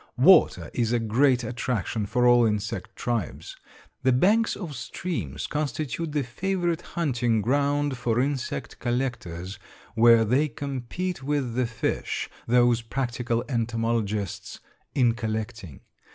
Water is a great attraction for all insect tribes. The banks of streams constitute the favorite hunting ground for insect collectors, where they compete with the fish, those practical entomologists, in collecting.